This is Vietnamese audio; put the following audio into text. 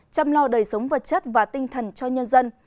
chăm lo đời sống vật chất và tinh thần cho nhân dân